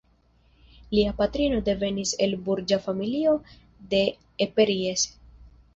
Lia patrino devenis el burĝa familio de Eperjes.